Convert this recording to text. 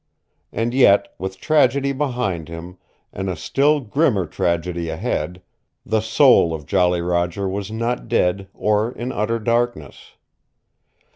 And yet, with tragedy behind him, and a still grimmer tragedy ahead, the soul of Jolly Roger was not dead or in utter darkness.